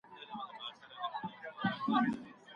تاسو په ګډه د پرمختګ غوښتنه وکړه.